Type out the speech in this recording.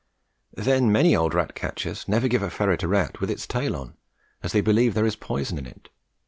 Then many old rat catchers never give a ferret a rat with its tail on, as they believe there is poison in it.